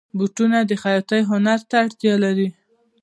بوټونه د خیاطۍ هنر ته اړتیا لري.